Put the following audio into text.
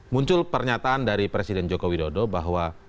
muncul pernyataan dari presiden joko widodo bahwa